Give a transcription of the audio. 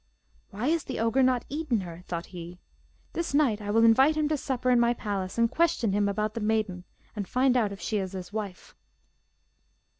'Why has the ogre not eaten her?' thought he. 'This night I will invite him to supper in my palace and question him about the maiden, and find out if she is his wife.